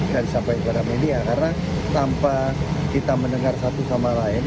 disampaikan kepada media karena tanpa kita mendengar satu sama lain